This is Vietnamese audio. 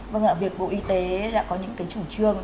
vâng ạ việc bộ y tế đã có những cái chủ trương